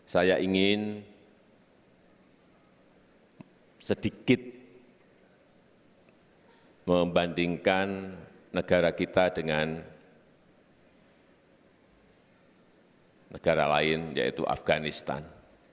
saya ingin sedikit membandingkan negara kita dengan negara lain yaitu afganistan